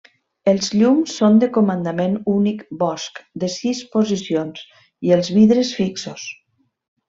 Els llums són de comandament únic Bosch de sis posicions i els vidres fixos.